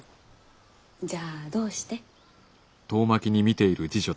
じゃあどうして？